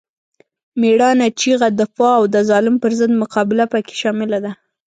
مېړانه، چیغه، دفاع او د ظالم پر ضد مقابله پکې شامله ده.